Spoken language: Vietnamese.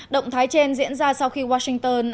động thái trên diễn ra sau khi washington